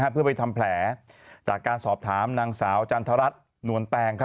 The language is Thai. เพื่อไปทำแผลจากการสอบถามนางสาวจันทรัฐนวลแตง